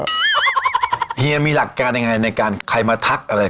เฮียมีหลักการยังไงในการใครมาทักอะไร